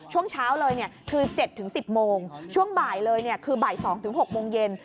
ช่วงเช้าเลยคือ๗๑๐โมงช่วงบ่ายเลยคือบ่าย๒๖โมงเย็น